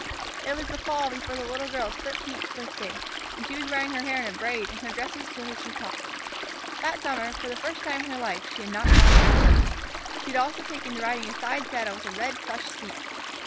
It was the fall before the little girl's thirteenth birthday, and she was wearing her hair in a braid and her dresses to her shoe tops. That summer, for the first time in her life, she had not gone barefoot. She had also taken to riding a side saddle with a red plush seat.